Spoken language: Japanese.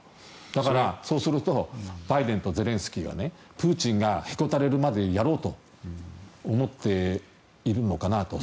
だから、そうするとバイデンとゼレンスキーがプーチンがへこたれるまでやろうと思っているのかなと。